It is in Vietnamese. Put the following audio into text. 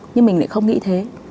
nhưng mình lại không nghĩ thế